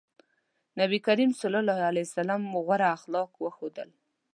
نبي کريم ص غوره اخلاق وښودل.